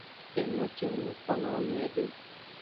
Se nyo ce ng nuko nowo nyuiede.